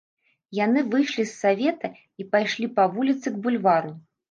Яны выйшлі з савета і пайшлі па вуліцы к бульвару.